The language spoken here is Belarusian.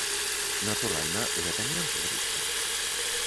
Натуральна, гэта менш зручна.